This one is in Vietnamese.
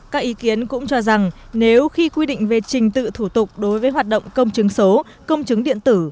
các ý kiến cũng cho rằng nếu khi quy định về trình tự thủ tục đối với hoạt động công chứng số công chứng điện tử